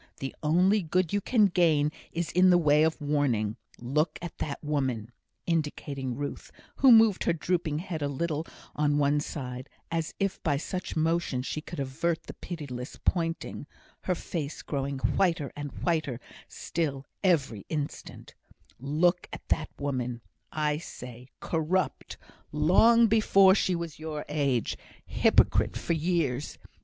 The only good you can gain is in the way of warning. Look at that woman" (indicating Ruth, who moved her drooping head a little on one side, as if by such motion she could avert the pitiless pointing her face growing whiter and whiter still every instant) "look at that woman, I say corrupt long before she was your age hypocrite for years!